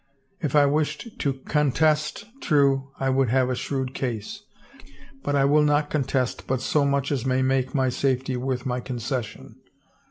If I wished to contest, true, I would have a shrewd case, but I will not contest but so much as may make my safety worth my concession.